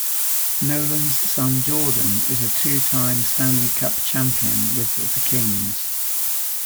Nolan's son Jordan is a two time Stanley Cup Champion with the Kings.